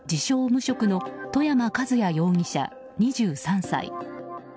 無職の外山和也容疑者、２３歳。